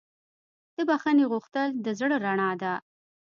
د بښنې غوښتل د زړه رڼا ده.